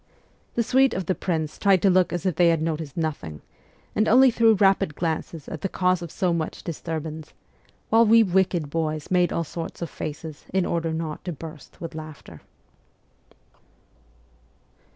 The suite of the prince tried to look as if they had noticed nothing, and only threw rapid glimpses at the cause of so much disturb ance, while we wicked boys made all sorts of faces in order not to burst with laughter.